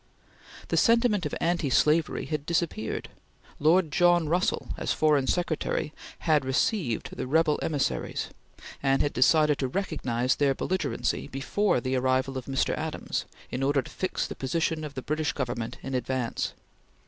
The sentiment of anti slavery had disappeared. Lord John Russell, as Foreign Secretary, had received the rebel emissaries, and had decided to recognize their belligerency before the arrival of Mr. Adams in order to fix the position of the British Government in advance.